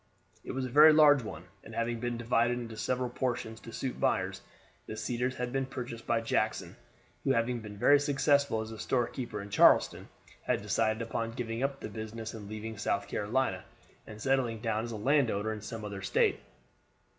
It was a very large one, and having been divided into several portions to suit buyers, the Cedars had been purchased by Jackson, who, having been very successful as a storekeeper at Charleston, had decided upon giving up the business and leaving South Carolina, and settling down as a land owner in some other State.